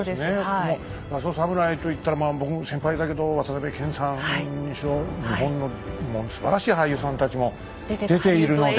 もう「ラストサムライ」といったら僕の先輩だけど渡辺謙さんにしろもう日本のすばらしい俳優さんたちも出ているので。